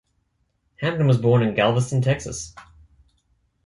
Hampton was born in Galveston, Texas.